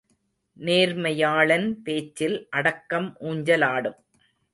நேர்மையாளன் பேச்சில் அடக்கம் ஊஞ்சலாடும்!